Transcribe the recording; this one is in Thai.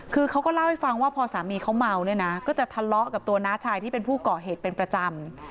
คือเขาก็เล่าให้ฟังว่าพอสามีเขาเมาเนี่ยนะก็จะทะเลาะกับตัวน้าชายที่เป็นผู้ก่อเหตุเป็นประจำ